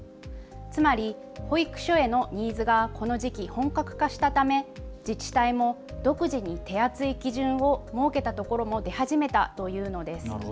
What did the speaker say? つまり、保育所へのニーズがこの時期、本格化したため自治体も独自に手厚い基準を設けたところも出始めたというのです。